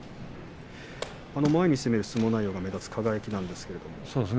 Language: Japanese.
前に攻める相撲内容が目立つ輝です。